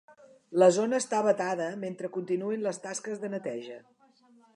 La zona està vedada mentre continuïn les tasques de neteja.